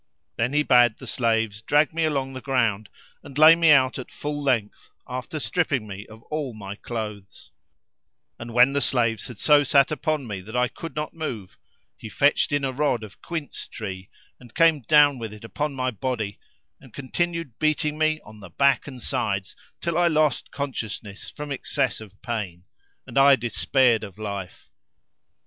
Then he bade the slaves drag me along the ground and lay me out at full length, after stripping me of all my clothes;[FN#350] and when the slaves had so sat upon me that I could not move, he fetched in a rod of quince tree and came down with it upon my body, and continued beating me on the back and sides till I lost consciousness from excess of pain, and I despaired of life.